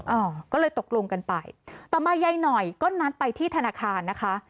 อ่าก็เลยตกลงกันไปต่อมายายหน่อยก็นัดไปที่ธนาคารนะคะ